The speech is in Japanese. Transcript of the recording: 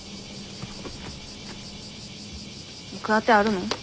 行く当てあるの？